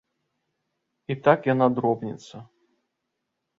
І так яна дробніцца.